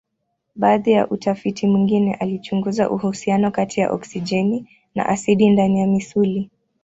Baadhi ya utafiti mwingine alichunguza uhusiano kati ya oksijeni na asidi ndani ya misuli.